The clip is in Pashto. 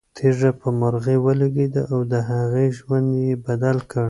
تیږه په مرغۍ ولګېده او د هغې ژوند یې بدل کړ.